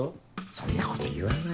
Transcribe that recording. そんなこと言わないでよ。